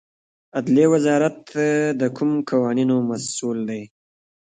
عدلیې وزارت د کومو قوانینو مسوول دی؟